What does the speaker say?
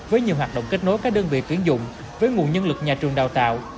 với nhiều hoạt động kết nối các đơn vị tuyển dụng với nguồn nhân lực nhà trường đào tạo